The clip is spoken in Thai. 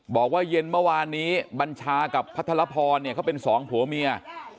บอกว่าเย็นเมื่อวานนี้บัญชากับพระธรพรเขาเป็น๒ผัวเมีย